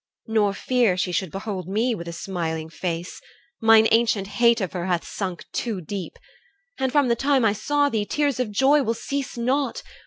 Nor fear She should behold me with a smiling face. Mine ancient hate of her hath sunk too deep. And from the time I saw thee, tears of joy Will cease not.